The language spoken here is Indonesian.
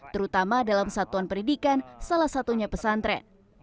terutama dalam satuan pendidikan salah satunya pesantren